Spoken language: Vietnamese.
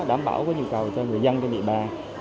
đảm bảo nhu cầu cho người dân trên địa bàn